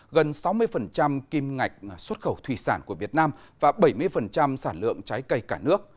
gần sáu mươi kim ngạch xuất khẩu thủy sản của việt nam và bảy mươi sản lượng trái cây cả nước